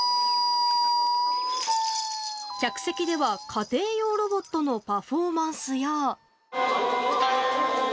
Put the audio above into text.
客席では家庭用ロボットのパフォーマンスや。